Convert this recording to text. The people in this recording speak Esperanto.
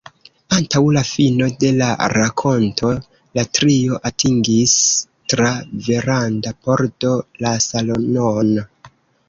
Antaŭ la fino de la rakonto, la trio atingis, tra veranda pordo, la salonon.